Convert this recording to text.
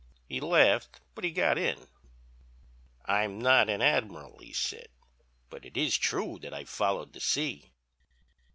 "'He laughed, but he got in. "I'm not an admiral," he said, "but it is true that I've followed the sea."